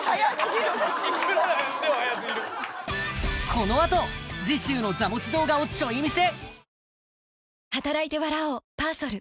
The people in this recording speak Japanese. このあと次週の座持ち動画をちょい見せ！